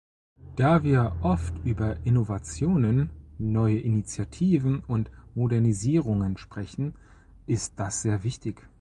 Da wir oft über Innovationen, neue Initiativen und Modernisierungen sprechen, ist das sehr wichtig.